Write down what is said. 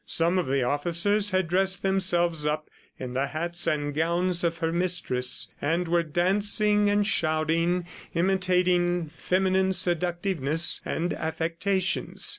Some of the officers had dressed themselves up in the hats and gowns of her mistress and were dancing and shouting, imitating feminine seductiveness and affectations.